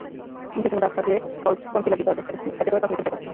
মুখে কোনো দাগ থাকলে কনসিলার দিতে হবে, এতে করে ত্বক নিখুঁত দেখাবে।